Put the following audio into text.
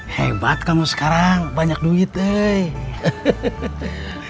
hebat kamu sekarang banyak duit hey